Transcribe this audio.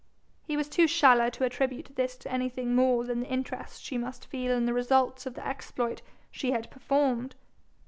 He was too shallow to attribute this to anything more than the interest she must feel in the results of the exploit she had performed.